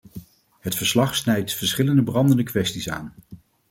Het verslag snijdt verschillende brandende kwesties aan.